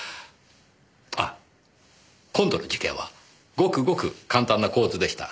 あ今度の事件はごくごく簡単な構図でした。